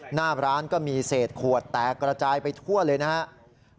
หน้าร้านก็มีเศษขวดแตกระจายไปทั่วเลยนะครับ